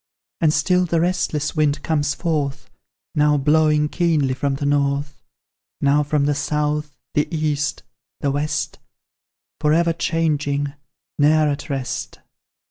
And still the restless wind comes forth, Now blowing keenly from the North; Now from the South, the East, the West, For ever changing, ne'er at rest.